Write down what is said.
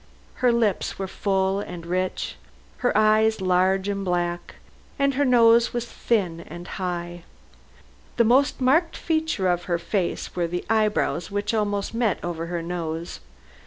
Her lips were full and rich, her eyes large and black, and her nose was thin and high. The most marked feature of her face were the eyebrows, which almost met over her nose.